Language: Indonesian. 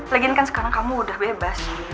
lagian kan sekarang kamu udah bebas